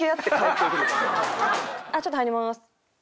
「ちょっと入ります！」